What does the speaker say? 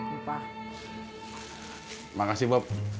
terima kasih bob